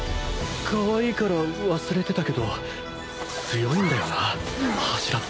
カワイイから忘れてたけど強いんだよな柱って。